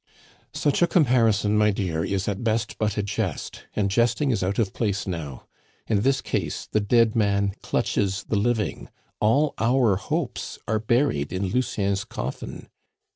"Such a comparison, my dear, is at best but a jest, and jesting is out of place now. In this case the dead man clutches the living. All our hopes are buried in Lucien's coffin."